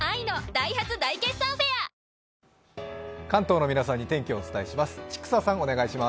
関東の皆さんに天気をお伝えします。